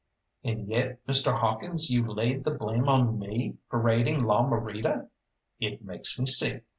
"And yet, Mr. Hawkins, you laid the blame on me for raiding La Morita! It makes me sick!"